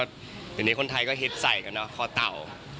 อย่างนี้คนไทยก็เห็นใส่กันนะคอเต่า